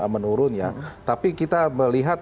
menurun tapi kita melihat